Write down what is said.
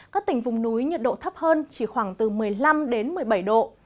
các tỉnh vùng núi nhiệt độ thấp hơn chỉ khoảng từ một mươi năm đến một mươi bảy độ